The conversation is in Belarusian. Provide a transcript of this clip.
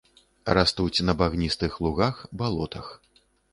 Растуць на багністых лугах, балотах.